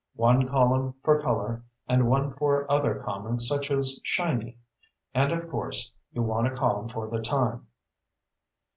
One column for color, and one for other comments such as 'shiny.' And, of course, you want a column for the time."